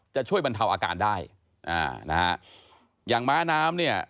จะช่วยบรรเทาอาการได้อ่านะฮะอย่างม้าน้ำเนี่ย